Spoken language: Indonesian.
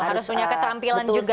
harus punya keterampilan juga